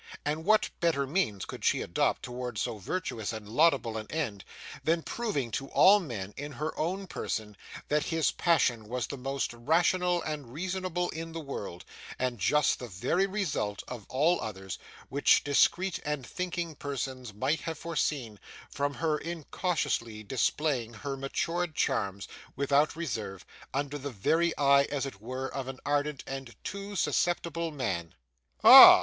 And what better means could she adopt, towards so virtuous and laudable an end, than proving to all men, in her own person, that his passion was the most rational and reasonable in the world, and just the very result, of all others, which discreet and thinking persons might have foreseen, from her incautiously displaying her matured charms, without reserve, under the very eye, as it were, of an ardent and too susceptible man? 'Ah!